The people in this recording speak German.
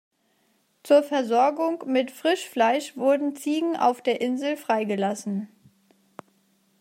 Zur Versorgung mit Frischfleisch wurden Ziegen auf der Insel freigelassen.